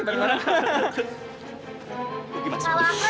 kalau aku emang enak